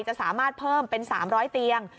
จะสามารถเพิ่มเป็น๓๐๐เตียง